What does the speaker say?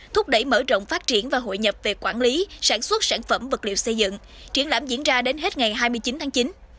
thúc đẩy mở rộng phát triển và hội nhập về quản lý sản xuất sản phẩm vật liệu xây dựng